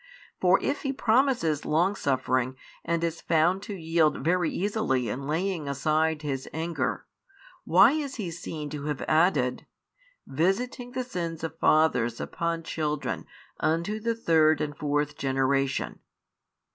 For if He promises longsuffering and is found to yield very easily in laying aside His anger, why is He seen to have added: Visiting the sins of fathers upon children unto the third and fourth generation?